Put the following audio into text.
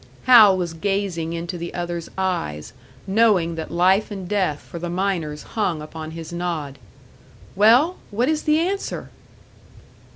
Hal was gazing into the other's eyes, knowing that life and death for the miners hung upon his nod. "Well? What is the answer?"